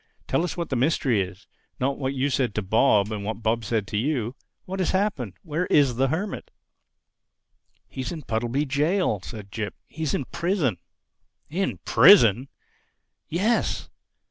"Tell us what the mystery is—not what you said to Bob and what Bob said to you. What has happened? Where is the Hermit?" "He's in Puddleby Jail," said Jip. "He's in prison." "In prison!" "Yes."